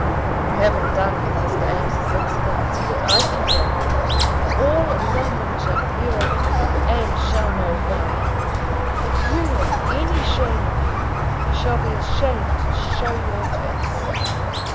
"You haven't done with Mr. Eames's insolence yet, I can tell you. All London shall hear of it, and shall know why. If you have any shame in you, you shall be ashamed to show your face."